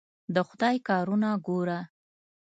د خدای کارونه ګوره.